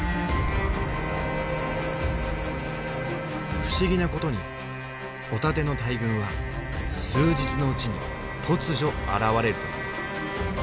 不思議なことにホタテの大群は数日のうちに突如現れるという。